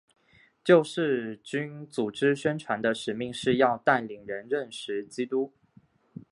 救世军组织宣传的使命是要带领人认识基督。